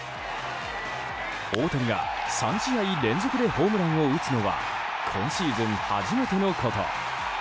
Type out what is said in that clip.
大谷が３試合連続でホームランを打つのは今シーズン初めてのこと。